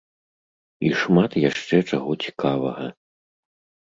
І шмат яшчэ чаго цікавага.